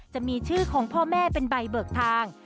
จะมีชื่อของพ่อแม่เป็นใบเบิกทาง